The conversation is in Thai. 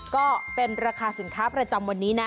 ก็เป็นราคาสินค้าประจำวันนี้นะ